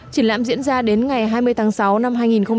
triển lãm diễn ra đến ngày hai mươi tháng sáu năm hai nghìn một mươi chín